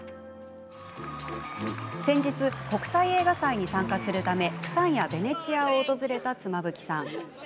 先日、国際映画祭に参加するため釜山やベネチアを訪れた妻夫木さん。